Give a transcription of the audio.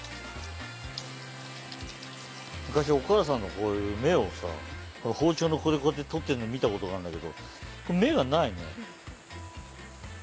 昔お母さんがこういう芽をさ包丁のここでこうやって取ってんの見たことがあんだけどこれ芽がないね。